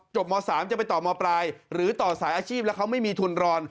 ม๓จะไปต่อมปลายหรือต่อสายอาชีพแล้วเขาไม่มีทุนรอน